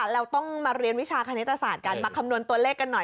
เราต้องมาเรียนวิชาคณิตศาสตร์กันมาคำนวณตัวเลขกันหน่อย